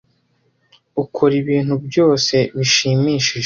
Ukora ibintu byose bishimishije.